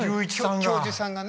教授さんがね。